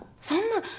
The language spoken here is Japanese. そんな！